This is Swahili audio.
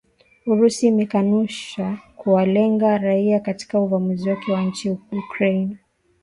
Urusi imekanusha kuwalenga raia katika uvamizi wake nchini Ukraine